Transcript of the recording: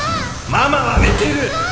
・ママは寝てる！